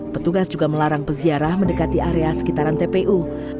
petugas juga melarang peziarah mendekati area sekitaran tpu